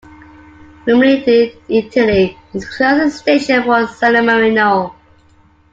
Rimini in Italy is the closest station for San Marino.